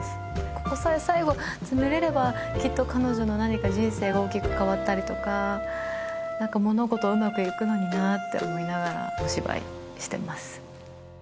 ここさえ最後詰めれればきっと彼女の何か人生が大きく変わったりとか何か物事うまくいくのになって思いながらお芝居してます